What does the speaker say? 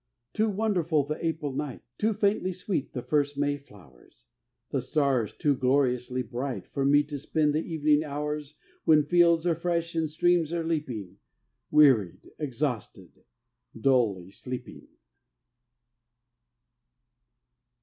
Too wonderful the April night, Too faintly sweet the first May flowers, The stars too gloriously bright, For me to spend the evening hours, When fields are fresh and streams are leaping, Wearied, exhausted, dully sleeping.